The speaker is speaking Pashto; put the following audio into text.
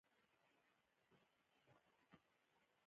تل رښتیا وایه چی قسم ته اړتیا پیدا نه سي